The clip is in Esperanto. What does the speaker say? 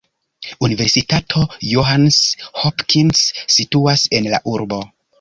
Universitato Johns Hopkins situas en la urbo.